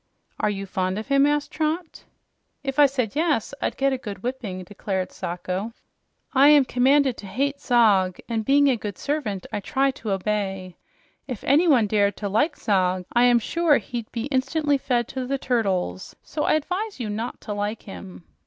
"Are you fond of him?" asked Trot. "If I said yes, I'd get a good whipping," declared Sacho. "I am commanded to hate Zog, and being a good servant, I try to obey. If anyone dared to like Zog, I am sure he'd be instantly fed to the turtles; so I advise you not to like him."